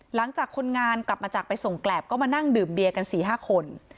หลังจากคนงานกลับมาจากไปส่งแกรบก็มานั่งดื่มเบียร์กัน๔๕คน